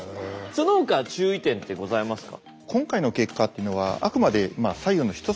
そのほか注意点ってございますか？